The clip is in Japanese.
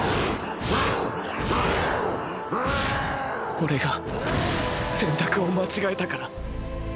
オレが選択を間違えたから。